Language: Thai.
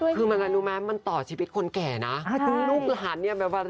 อยากจะพบเธอคนเดียว